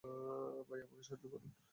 ভাই, আমাকে সাহায্য করুন।